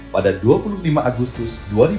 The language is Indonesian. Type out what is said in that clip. pada dua puluh lima agustus dua ribu dua puluh